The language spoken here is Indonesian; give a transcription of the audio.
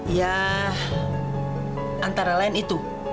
ya antara lain itu